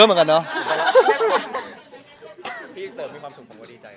พี่เติร์ฟมีความสุขผมก็ดีใจนะ